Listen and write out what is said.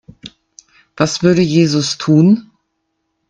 Was würde Jesus tun?